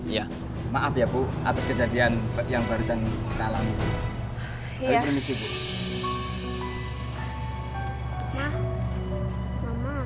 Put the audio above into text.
iya maaf ya bu atau kejadian yang barusan kita alami ya